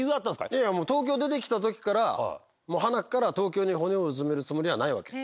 いやいや、もう、東京出てきたときから、もうはなっから、東京に骨をうずめるつもりはないわけ。